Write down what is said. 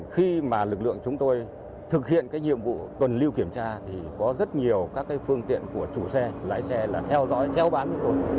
khi mà lực lượng chúng tôi thực hiện cái nhiệm vụ cần lưu kiểm tra thì có rất nhiều các cái phương tiện của chủ xe lái xe là theo dõi theo bán của tôi